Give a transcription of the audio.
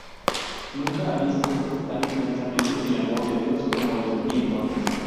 Nunca había sentido tan intensamente el amor de Dios como lo sentí entonces".